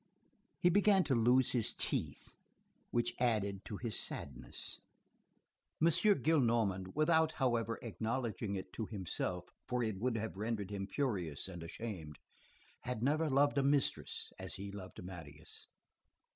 He began to lose his teeth, which added to his sadness. M. Gillenormand, without however acknowledging it to himself, for it would have rendered him furious and ashamed, had never loved a mistress as he loved Marius.